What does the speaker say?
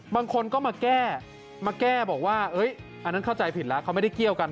บางคนก็มาแก้มาแก้บอกว่าอันนั้นเข้าใจผิดแล้วเขาไม่ได้เกี่ยวกัน